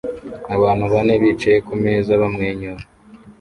Abantu bane bicaye kumeza bamwenyura